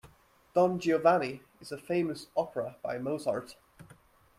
Don Giovanni is a famous opera by Mozart